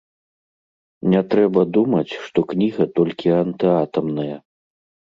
Не трэба думаць, што кніга толькі антыатамная.